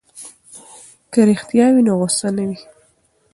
که رښتیا وي نو غوسه نه وي.